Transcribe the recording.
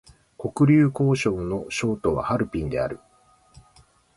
黒竜江省の省都はハルビンである